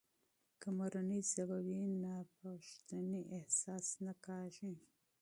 که مورنۍ ژبه وي، نو ناپښتنې احساس نه کیږي.